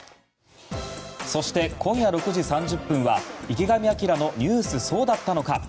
そして、今夜６時３０分は「池上彰のニュースそうだったのか！！」。